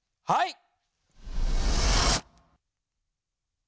はい。